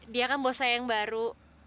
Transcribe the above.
dia kan bos saya yang baru